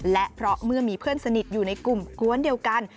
และเพราะเมื่อมีเพื่อนสนิทอยู่ในกลุ่มกวนเดียวกัน